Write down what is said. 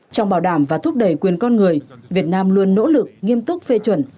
trong bảo đảm và thúc đẩy quyền con người việt nam luôn nỗ lực nghiêm túc phê chuẩn